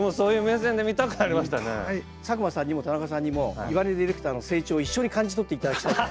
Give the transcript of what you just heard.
佐久間さんにも田中さんにも岩根ディレクターの成長を一緒に感じ取って頂きたいです。